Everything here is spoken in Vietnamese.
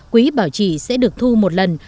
quỹ bảo trì sẽ được thu một lần